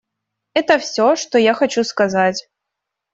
Это все, что я хочу сказать.